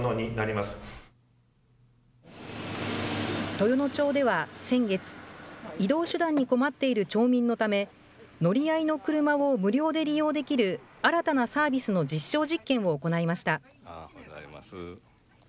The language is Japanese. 豊能町では先月、移動手段に困っている町民のため、乗り合いの車を無料で利用できる新たなサービスの実証実験を行いました。